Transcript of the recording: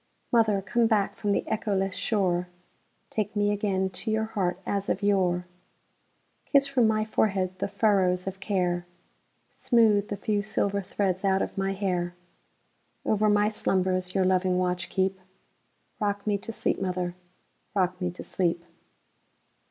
Mother, come back from the echoless shore, Take me again to your heart as of yore; Kiss from my forehead the furrows of care, Smooth the few silver threads out of my hair; Over my slumbers your loving watch keep;—Rock me to sleep, mother,—rock me to sleep!